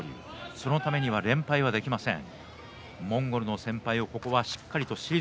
そのためには連敗はできません。